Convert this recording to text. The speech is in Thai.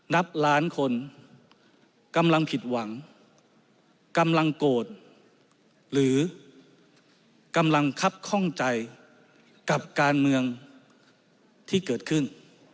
นับล้านคนกำลังผิดหวังกำลังโกรธหรือกำลังคับข้องใจกับการเมืองที่เกิดขึ้น